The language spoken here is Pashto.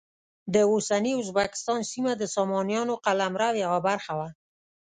د اوسني ازبکستان سیمه د سامانیانو قلمرو یوه برخه وه.